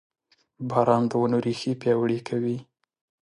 • باران د ونو ریښې پیاوړې کوي.